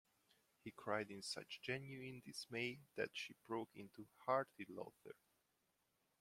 He cried in such genuine dismay that she broke into hearty laughter.